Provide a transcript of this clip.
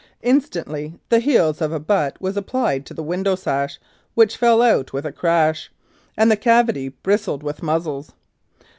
Instantly the heel of a butt vas applied to the window sash, which fell out with a crash, and the cavity bristled with muzzles.